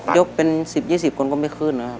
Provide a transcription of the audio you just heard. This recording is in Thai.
ยกเป็น๑๐๒๐คนก็ไม่ขึ้นนะครับ